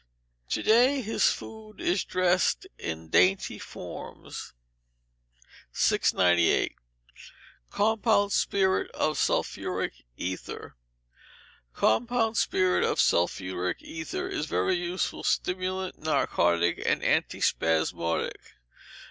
[TO DAY, HIS FOOD IS DRESSED IN DAINTY FORMS.] 698. Compound Spirit of Sulphuric Ether Compound Spirit of Sulphuric Ether is a very useful stimulant, narcotic, and antispasmodic.